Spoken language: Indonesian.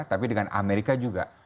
tapi dengan amerika juga